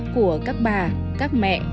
của các bà các mẹ